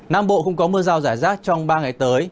nam bộ không có mưa rào rải rác trong ba ngày tới